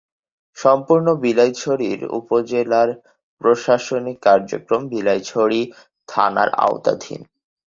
সম্পূর্ণ বিলাইছড়ি উপজেলার প্রশাসনিক কার্যক্রম বিলাইছড়ি থানার আওতাধীন।